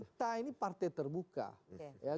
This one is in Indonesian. kita ini partai terbuka